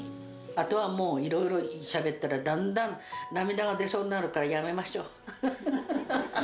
あとはもう、いろいろしゃべったら、だんだん涙が出そうになるからやめましょう。